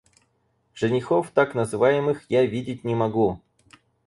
Женихов так называемых я видеть не могу.